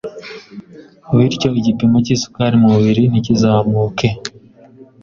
bityo igipimo cy’isukari mu mubiri ntikizamuke